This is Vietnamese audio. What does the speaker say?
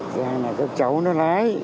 rồi là các cháu nó lái